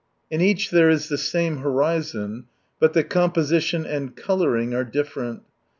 In each there is the same horizon, but the composition and colouring are different.